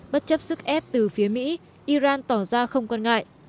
bất chấp sức ép từ phía mỹ iran tỏ ra không quan ngại